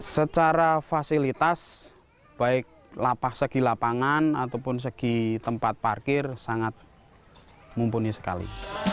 secara fasilitas baik segi lapangan ataupun segi tempat parkir sangat mumpuni sekali